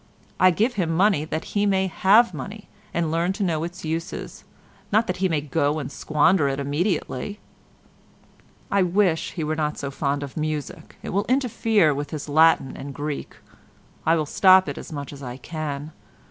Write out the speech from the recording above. I give him money that he may have money and learn to know its uses, not that he may go and squander it immediately. I wish he was not so fond of music, it will interfere with his Latin and Greek. I will stop it as much as I can.